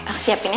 aku siapin ya